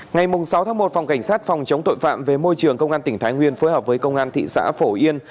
ngày sáu một phòng cảnh sát phòng chống tội phạm về môi trường công an tỉnh thái nguyên phối hợp với công an thị xã phổ yên